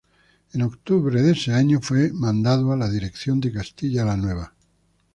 En octubre de ese año fue mandado a la dirección de Castilla la Nueva.